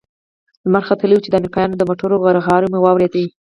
لمر ختلى و چې د امريکايانو د موټرو غرهار مو واورېد.